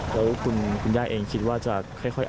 ครับคุณยายเองคิดว่าจะค่อย